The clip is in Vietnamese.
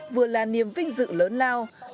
vừa là niềm vinh dự lớn nào